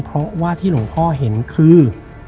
เพราะว่าที่หลวงพ่อเห็นคือ